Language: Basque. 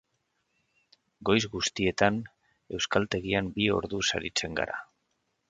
Goiz guztietan euskaltegian bi orduz aritzen gara.